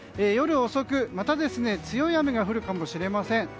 夜遅くまた強い雨が降るかもしれません。